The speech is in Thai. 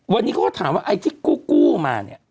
วันนี้เขาก็ถามว่าไอ้ที่กู้มาเนี่ย